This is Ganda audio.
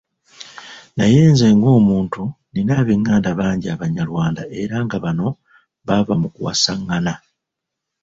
Naye nze ng'omuntu, nnina ab'enganda bangi abanyarwanda era nga bano baava mu kuwasangana.